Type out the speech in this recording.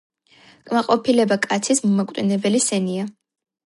„კმაყოფილება კაცის მომაკვდინებელი სენია.“